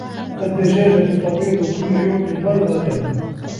الدَّجاجَةُ تَبِيضُ كُلَّ يَوْمٍ بيضةً.